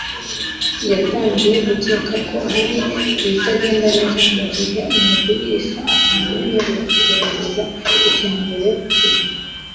Yatangiye gukeka ko hari ibitagenda neza mugihe umugurisha atamwemereye kugerageza ikintu mbere yo kukigura